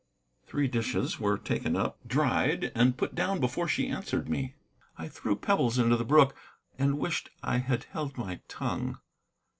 Three dishes were taken up, dried, and put down before she answered me. I threw pebbles into the brook, and wished I had held my tongue.